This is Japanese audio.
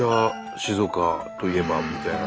静岡といえばみたいな。